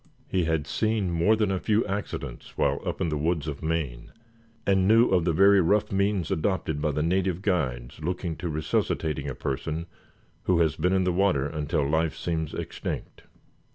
He had seen more than a few accidents while up in the woods of Maine, and knew of the very rough means adopted by the native guides looking to resuscitating a person who has been in the water until life seems extinct.